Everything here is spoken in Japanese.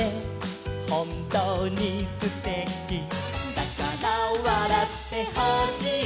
「だからわらってほしい」